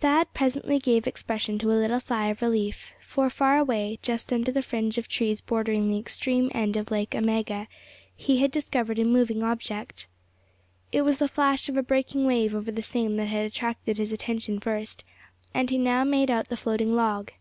Thad presently gave expression to a little sigh of relief; for far away, just under the fringe of trees bordering the extreme end of Lake Omega, he had discovered a moving object. It was the flash of a breaking wave over the same that had attracted his attention first; and he now made out the floating log.